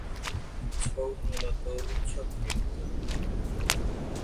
ছৌ মূলত উৎসব নৃত্য।